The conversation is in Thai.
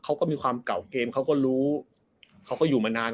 เขาก็มีความเก่าเกมเขาก็รู้เขาก็อยู่มานาน